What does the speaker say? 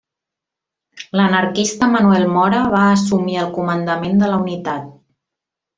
L'anarquista Manuel Mora va assumir el comandament de la unitat.